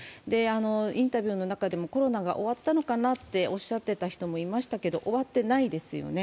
インタビューの中でもコロナが終わったのかなとおっしゃってた人もいましたけど、終わってないですよね。